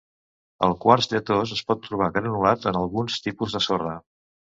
El quars lletós es pot trobar granulat en alguns tipus de sorra.